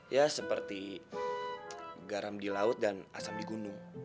ya seperti garam di laut dan asam di gunung